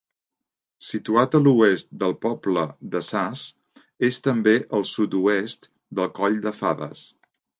Situat a l'oest del poble de Sas, és també al sud-oest del Coll de Fades.